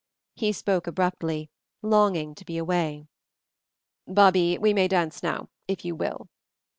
He spoke abruptly, longing to be away. "Babie, we may dance now, if you will."